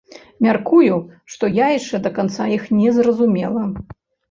Мяркую, што я яшчэ да канца іх не зразумела.